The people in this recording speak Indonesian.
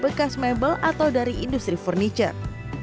bekas mebel atau dari industri furniture